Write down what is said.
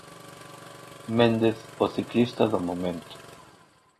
Méndez, o ciclista do momento.